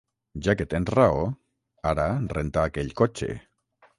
Ja que tens raó, ara renta aquell cotxe.